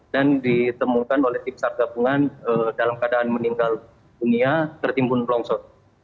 dan ditemukan oleh tim sar gabungan dalam keadaan meninggal dunia tertimbun longsor